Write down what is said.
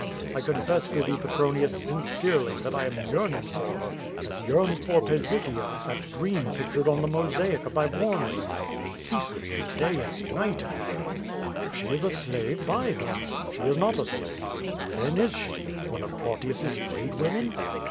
I confess to thee, Petronius, sincerely, that I am yearning for her, as yeama QUO TADI8. II for raisythea, that dream pictured on the mosaic of thy warm room. Ceaselessly, day and night I yearn." "If she is a slave, l)uy her." "She is not a slave." "Who then is she? One of Plautius's freed women?"